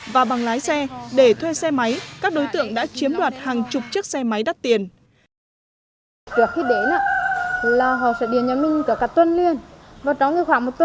và bằng lái xe để thuê xe máy các đối tượng đã chiếm đoạt hàng chục chiếc xe máy đắt tiền